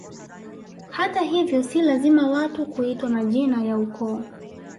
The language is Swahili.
Hata hivyo si lazima watu kuitwa majina ya ukoo